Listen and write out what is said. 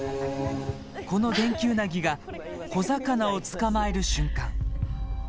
このデンキウナギが小魚を捕まえる瞬間。